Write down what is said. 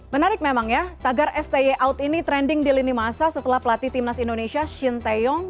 menarik memang ya tagar sti out ini trending di lini masa setelah pelatih timnas indonesia shin taeyong